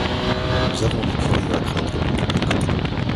Nous avons les curieux à craindre pendant quelque temps.